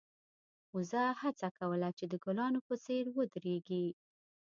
وزه هڅه کوله چې د ګلانو په څېر ودرېږي.